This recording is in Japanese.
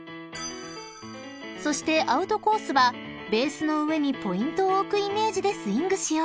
［そしてアウトコースはベースの上にポイントを置くイメージでスイングしよう］